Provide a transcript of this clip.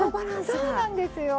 そうなんですよ。